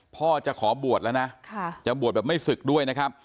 เพราะจะขอบวชละนะค่ะจะบวชแบบไม่ศึกด้วยนะครับ